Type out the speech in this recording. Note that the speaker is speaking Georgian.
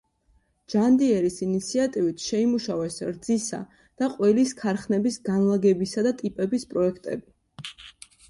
ჯანდიერის ინიციატივით შეიმუშავეს რძისა და ყველის ქარხნების განლაგებისა და ტიპების პროექტები.